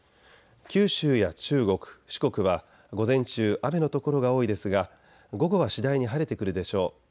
九州や中国、四国は午前中、雨の所が多いですが午後は次第に晴れてくるでしょう。